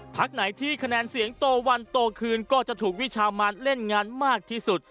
พักไหนที่คะแนนเสียงโตวันโตคืนก็จะถูกวิชามานเล่นงานมากที่สุด